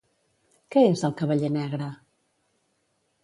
Què és El cavaller negre?